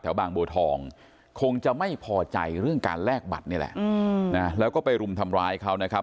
บางบัวทองคงจะไม่พอใจเรื่องการแลกบัตรนี่แหละแล้วก็ไปรุมทำร้ายเขานะครับ